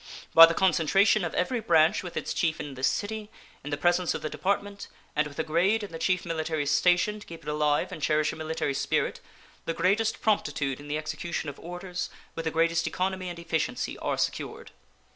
By the concentration of every branch with its chief in this city, in the presence of the Department, and with a grade in the chief military station to keep alive and cherish a military spirit, the greatest promptitude in the execution of orders, with the greatest economy and efficiency, are secured.